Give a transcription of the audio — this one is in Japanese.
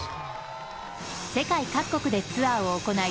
世界各国でツアーを行い